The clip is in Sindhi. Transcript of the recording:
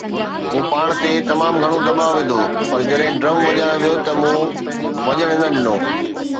مون پاڻ تي تمام گهڻو دٻاءُ وڌو، پر جڏهن ڊرم وڄايو ويو ته مون وڃڻ نه ڏنو